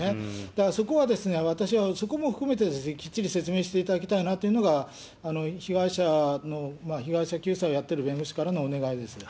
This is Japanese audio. だからそこは、私はそこも含めてきっちり説明していただきたいなというのが、被害者の、被害者救済をやってる弁護士からのお願いです。